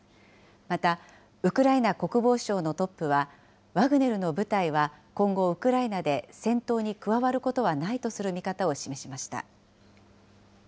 また、ウクライナ国防省のトップは、ワグネルの部隊は今後、ウクライナで戦闘に加わることはないとする見方を示しました。